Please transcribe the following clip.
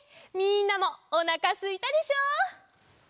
みんなもおなかすいたでしょ？